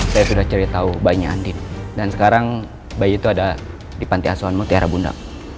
saya sudah cerita ubaiknya andi dan sekarang bayi itu ada di pantiasuhan mutiara bunda